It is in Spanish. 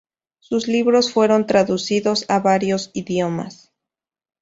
Sus libros fueron traducidos a varios idiomas.